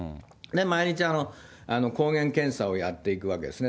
毎日、抗原検査をやっていくわけですね。